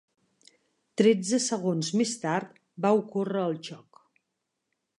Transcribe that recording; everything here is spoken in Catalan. Tretze segons més tard, va ocórrer el xoc.